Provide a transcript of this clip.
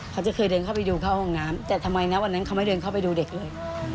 เขาจะเคยเดินเข้าไปดูเข้าห้องน้ำแต่ทำไมนะวันนั้นเขาไม่เดินเข้าไปดูเด็กเลย